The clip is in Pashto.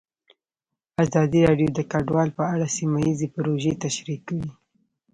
ازادي راډیو د کډوال په اړه سیمه ییزې پروژې تشریح کړې.